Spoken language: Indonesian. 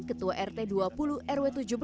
ketua rt dua puluh rw tujuh belas